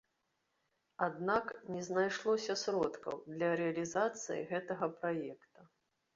Аднак не знайшлося сродкаў для рэалізацыі гэтага праекта.